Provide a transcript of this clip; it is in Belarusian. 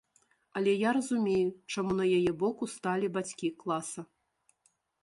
Але я разумею, чаму на яе бок усталі бацькі класа.